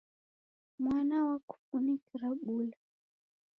Mwana wakufunikira bula.